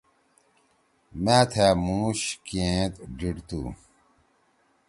مأ تھأ مُوش کیئند ڈیِڑتُو۔